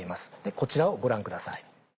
こちらをご覧ください。